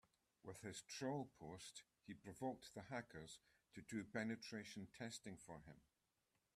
With his troll post he provoked the hackers to do penetration testing for him.